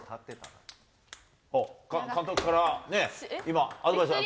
監督からね、今、アドバイスが。